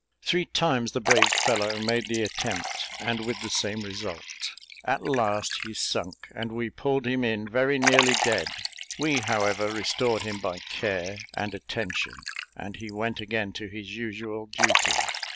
Three times the brave fellow made the attempt, and with the same result. At last he sunk, and we pulled him in very nearly dead. We, however, restored him by care and attention, and he went again to his usual duty.